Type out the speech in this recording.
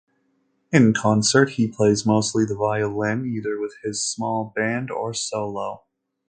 In concert, he plays mostly the violin either with his small band or solo.